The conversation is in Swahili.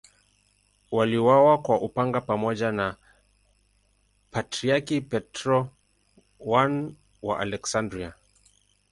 Waliuawa kwa upanga pamoja na Patriarki Petro I wa Aleksandria.